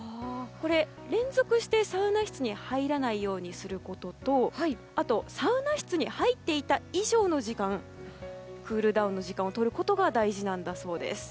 連続してサウナ室に入らないようにすることとあと、サウナ室に入っていた以上の時間クールダウンの時間をとることが大事なんだそうです。